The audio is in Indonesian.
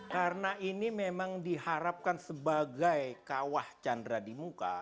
karena ini memang diharapkan sebagai kawah candra di muka